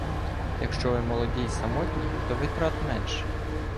Якщо ви молоді й самотні, то витрат менше